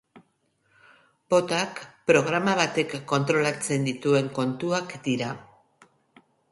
Botak programa batek kontrolatzen dituen kontuak dira.